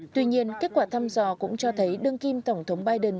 tuy nhiên kết quả thăm dò cũng cho thấy đương kim tổng thống biden